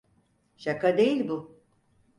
Şaka değil bu.